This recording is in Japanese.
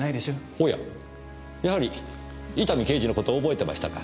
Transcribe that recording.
おややはり伊丹刑事の事を覚えてましたか。